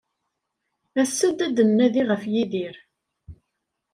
As-d ad nnadi ɣef Yidir.